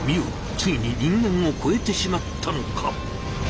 ついに人間をこえてしまったのか。